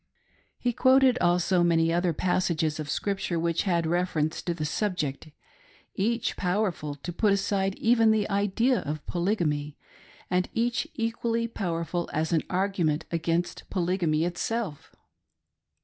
He quoted also many other passages of Scripture which had reference to the subject; — each powerful to put aside even the idea of polygamy ; and each equally powerful as an argu ment against polygamy itself.